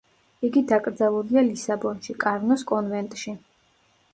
იგი დაკრძალულია ლისაბონში, კარნოს კონვენტში.